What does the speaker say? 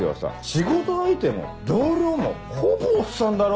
仕事相手も同僚もほぼおっさんだろ？